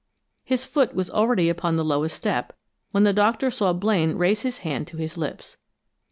His foot was already upon the lowest step, when the Doctor saw Blaine raise his hand to his lips.